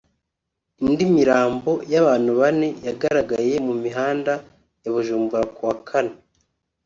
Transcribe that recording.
Indi mirambo y’abantu bane yagaragaye mu mihanda ya Bujumbura ku wa Kane